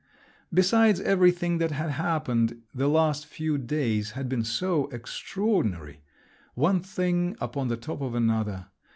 Besides, everything that had happened the last few days had been so extraordinary…. One thing upon the top of another.